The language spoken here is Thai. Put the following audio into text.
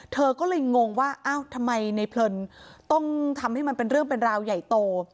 เธอก็เลยงงว่าอ้าวทำไมในเพลินต้องทำให้มันเป็นเรื่องเป็นราวใหญ่โต